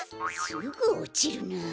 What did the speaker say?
すぐおちるなあ。